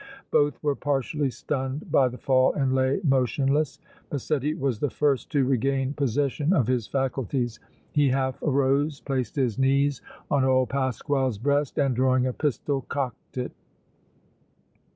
Both were partially stunned by the fall and lay motionless. Massetti was the first to regain possession of his faculties. He half arose, placed his knees on old Pasquale's breast and, drawing a pistol, cocked it.